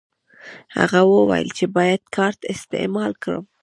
هغه وویل چې باید کارت استعمال کړم.